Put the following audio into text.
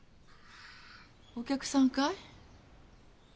お客さんかい？